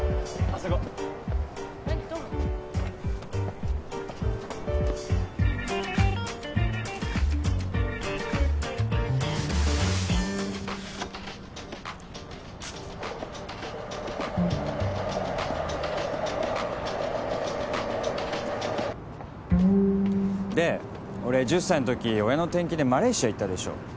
ほらで俺１０歳の時親の転勤でマレーシア行ったでしょ